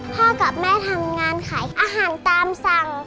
กับแม่ทำงานขายอาหารตามสั่ง